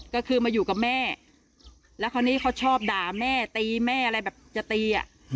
ก็คือมาอยู่กับแม่แล้วคราวนี้เขาชอบด่าแม่ตีแม่อะไรแบบจะตีอ่ะ